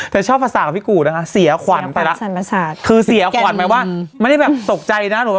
ชอบภาษากับพี่กูนะคะเสียขวัญไปแล้วคือเสียขวัญแปลว่าไม่ได้แบบตกใจนะหนูแบบ